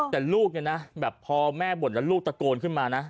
แต่ลูกเนี่ยนะแบบพอแม่บ่นแล้วลูกตะโกนขึ้นมานะ